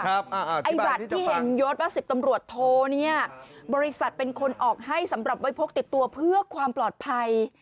ไอ้บัตรที่เห็นยศว่า๑๐ตำรวจโทเนี่ยบริษัทเป็นคนออกให้สำหรับไว้พกติดตัวเพื่อความปลอดภัย